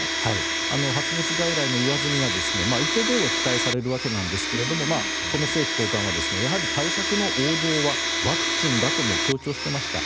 発熱外来の上積みが、一定程度期待されるわけなんですがこの政府高官はやはり対策の王道はワクチンだとも強調していました。